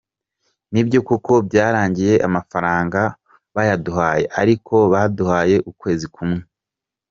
Ni byo koko byarangiye amafranga bayaduhaye, ariko baduhaye ukwezi kumwe.